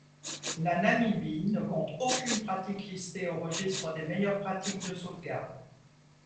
La Namibie ne compte aucune pratique listée au registre des meilleures pratiques de sauvegarde.